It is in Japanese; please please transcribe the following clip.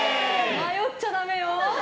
迷っちゃダメよ！